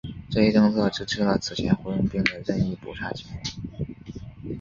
这一政策支持了此前红卫兵的任意扑杀行为。